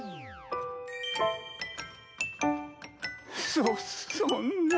そそんなぁ。